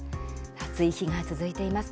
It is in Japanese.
暑い日が続いています。